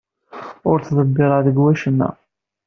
Ur ttḍebbireɣ deg wacemma.